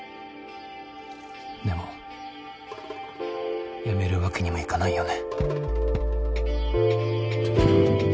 でもやめるわけにもいかないよね。